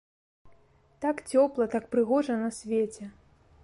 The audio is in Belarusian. Так цёпла, так прыгожа на свеце!